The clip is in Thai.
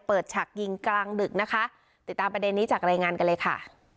ฉากยิงกลางดึกนะคะติดตามประเด็นนี้จากรายงานกันเลยค่ะ